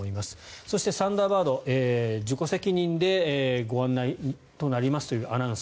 そしてサンダーバード自己責任でご案内となりますというアナウンス。